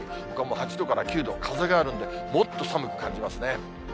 ほかも８度から９度、風があるんで、もっと寒く感じますね。